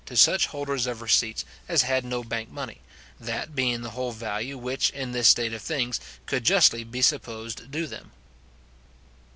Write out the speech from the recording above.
to such holders of receipts as had no bank money, that being the whole value which, in this state of things, could justly be supposed due to them.